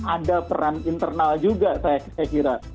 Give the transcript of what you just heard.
ada peran internal juga saya kira